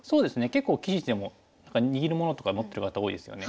結構棋士でも何か握るものとか持ってる方多いですよね。